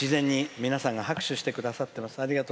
自然に皆さんが拍手してくださっています。